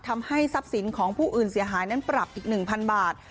ทำให้ทรัพย์สินของผู้อื่นเสียหายนั้นปรับอีก๑๐๐บาท